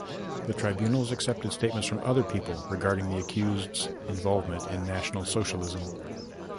The tribunals accepted statements from other people regarding the accused's involvement in National Socialism.